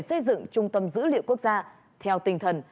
xây dựng trung tâm dữ liệu quốc gia